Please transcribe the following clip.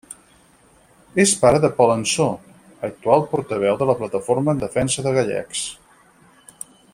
És pare de Pol Ansó, actual portaveu de la Plataforma en Defensa de Gallecs.